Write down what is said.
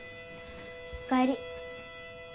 お帰り。